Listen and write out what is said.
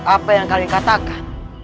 apa yang kalian katakan